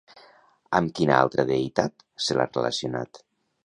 Amb quina altra deïtat se l'ha relacionat?